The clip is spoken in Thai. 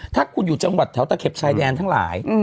ถ้าคุณอยู่จังหวัดแถวตะเข็บชายแดนทั้งหลาย